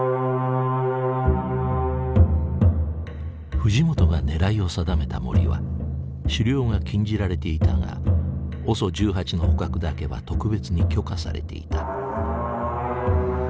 藤本が狙いを定めた森は狩猟が禁じられていたがＯＳＯ１８の捕獲だけは特別に許可されていた。